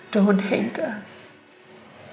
jangan mencintai kami